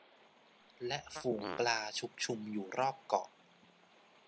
และฝูงปลาชุกชุมอยู่รอบเกาะ